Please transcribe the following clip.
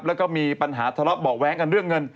แล้วก็มีปัญหาทะเลาะเบาะแว้งกันเรื่องเงิน